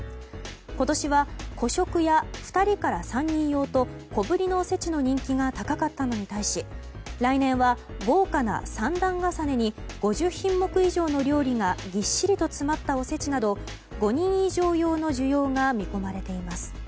今年は個食や２人から３人用と小ぶりのおせちの人気が高かったのに対し来年は豪華な３段重ねに５０品目以上の料理がぎっしりと詰まったおせちなど５人以上用の需要が見込まれています。